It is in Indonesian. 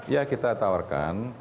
ya kita tawarkan